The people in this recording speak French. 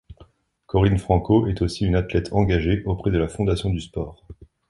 Corine Franco est aussi une athlète engagée auprès de la Fondation du Sport.